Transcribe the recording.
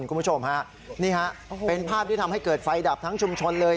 คุณผู้ชมฮะนี่ฮะเป็นภาพที่ทำให้เกิดไฟดับทั้งชุมชนเลย